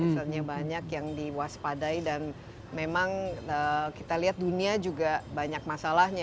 misalnya banyak yang diwaspadai dan memang kita lihat dunia juga banyak masalahnya